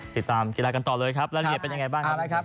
ติดตามกีฬากันต่อเลยครับรายละเอียดเป็นยังไงบ้างครับ